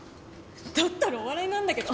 だったらお笑いなんだけど。